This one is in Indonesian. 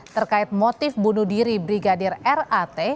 terkait motif bunuh diri brigadir rat